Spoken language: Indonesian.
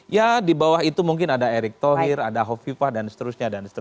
ya di bawah itu mungkin ada erick thohir ada hovifah dan seterusnya